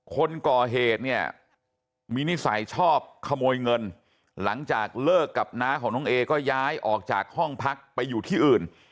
คนก่อเหตุเนี่ยมีนิสัยชอบขโมยเงินหลังจากเลิกกับน้าของน้องเอก็ย้ายออกจากห้องพักไปอยู่ที่อื่น